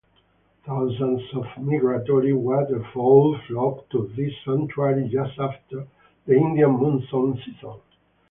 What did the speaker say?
Thousands of migratory waterfowl flock to this sanctuary just after the Indian monsoon season.